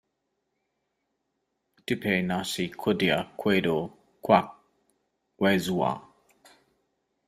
Tipei nhasi kudya kwedu kwakwezuva.